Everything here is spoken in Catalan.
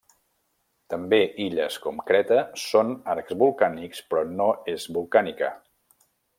També illes com Creta són arcs vulcànics però no és vulcànica.